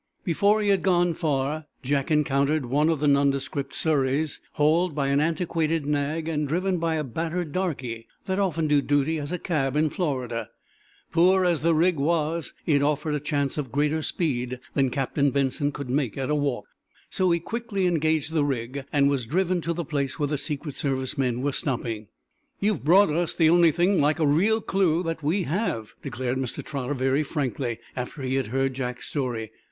Before he had gone far, Jack encountered one of the nondescript surreys, hauled by an antiquated nag and driven by a battered darkey, that often do duty as cab in Florida. Poor as the rig was, it offered a chance of greater speed than Captain Benson could make at a walk, so he quickly engaged the rig and was driven to the place where the Secret Service men were stopping. "You've brought us the only thing like a real clue that we have," declared Mr. Trotter, very frankly, after he had heard Jack's story.